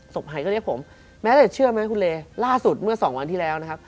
หายก็เรียกผมแม้แต่เชื่อไหมคุณเลล่าสุดเมื่อสองวันที่แล้วนะครับ